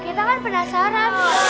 kita kan penasaran